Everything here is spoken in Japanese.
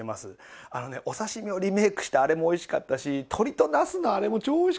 あのねお刺し身をリメイクしたあれもおいしかったし鶏となすのあれも超おいしかった！